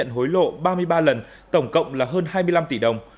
thuộc ba mươi ba lần tổng cộng là hơn hai mươi năm tỷ đồng